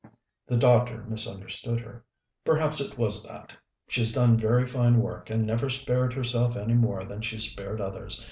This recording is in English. The doctor misunderstood her. "Perhaps it was that. She's done very fine work, and never spared herself any more than she's spared others.